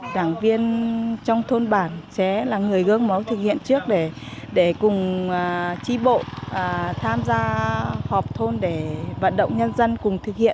đảng viên trong thôn bản sẽ là người gương máu thực hiện trước để cùng tri bộ tham gia họp thôn để vận động nhân dân cùng thực hiện